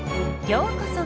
ようこそ！